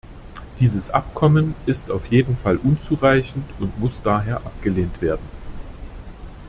Dieses Abkommen ist auf jeden Fall unzureichend und muss daher abgelehnt werden.